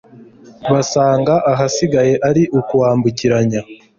basanga ahasigaye ari ukuwambukiranya